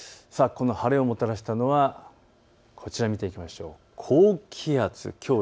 この晴れをもたらしたのは、こちらを見ていきましょう。